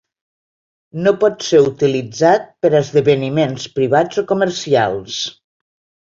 No pot ser utilitzat per a esdeveniments privats o comercials.